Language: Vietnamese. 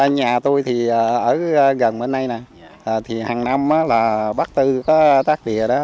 nhà tôi thì ở gần bên đây nè thì hàng năm là bắt tư tác đìa đó